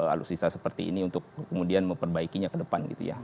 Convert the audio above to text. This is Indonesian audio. alutsista seperti ini untuk kemudian memperbaikinya ke depan gitu ya